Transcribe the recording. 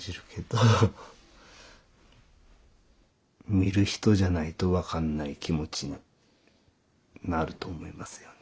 見る人じゃないと分かんない気持ちになると思いますよね